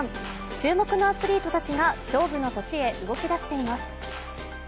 注目のアスリートたちが勝負の年へ動き出しています。